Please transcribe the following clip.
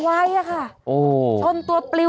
วันนี้จะเป็นวันนี้